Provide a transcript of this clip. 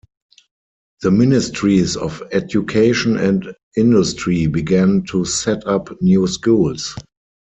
The Ministries of Education and Industry began to set up new schools.